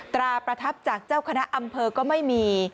ตราประทับจากเจ้าคณะอำเภอก็ไม่มี